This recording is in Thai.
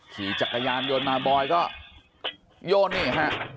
ขี่จักรยานโยนมาบอยก็โยนนี่ครับ